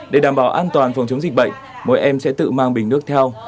để đảm bảo an toàn phòng chống dịch bệnh mỗi em sẽ tự mang bình nước theo